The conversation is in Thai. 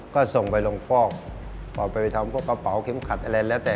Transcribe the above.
ก็ส่งไปลงฟอกเอาไปทำพวกกระเป๋าเข็มขัดอะไรแล้วแต่